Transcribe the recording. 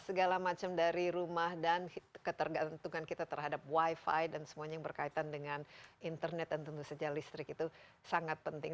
segala macam dari rumah dan ketergantungan kita terhadap wifi dan semuanya yang berkaitan dengan internet dan tentu saja listrik itu sangat penting